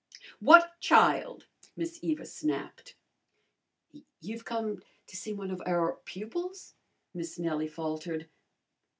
"What child?" Miss Eva snapped. "You've come to see one of our pupils?" Miss Nellie faltered.